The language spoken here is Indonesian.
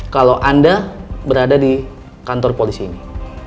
kalau anda berada di kantor polisi ini